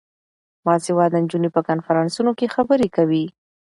باسواده نجونې په کنفرانسونو کې خبرې کوي.